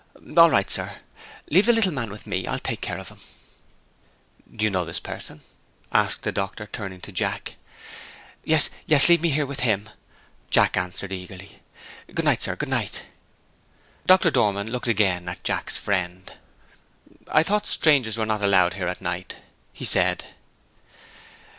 "All right, sir! Leave the little man with me I'll take care of him." "Do you know this person?" asked the doctor, turning to Jack. "Yes! yes! leave me here with him," Jack answered eagerly. "Good night, sir good night!" Doctor Dormann looked again at Jack's friend. "I thought strangers were not allowed here at night," he said.